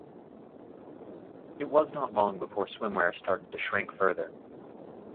It was not long before swimwear started to shrink further.